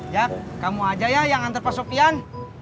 jak kamu aja ya yang antar pak sofian